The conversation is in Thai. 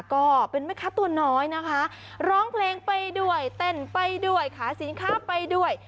ก็เป็นแม่ค้าตัวน้อยนะคะร้องเพลงไปด้วยเต้นไปด้วยขาสินค้าไปด้วย